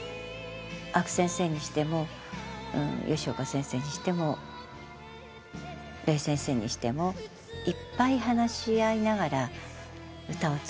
阿久先生にしても吉岡先生にしても礼先生にしてもいっぱい話し合いながら歌を作ってきた。